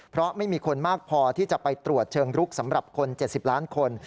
เพราะไม่มีคนมากพอที่จะไปตรวจเชิงลุกสำหรับคน๗๐ล้านคน